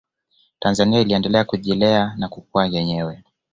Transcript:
tanzania iliendelea kujilea na kukua yenyewe